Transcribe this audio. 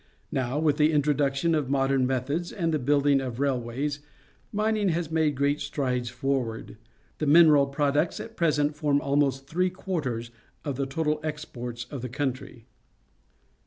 Now, with the introduc tion of modern methods and the building of railways, mining has made great strides forward. The mineral products at present CENTRAL AMERICA 1 41 form almost three quarters of the total exports of the country.